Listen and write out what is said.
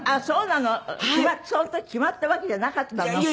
その時決まったわけじゃなかったの？